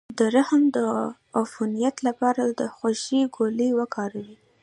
د رحم د عفونت لپاره د هوږې ګولۍ وکاروئ